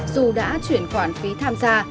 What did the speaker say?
dù đã chuyển khoản phí tham gia